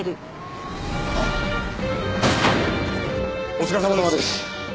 お疲れさまです！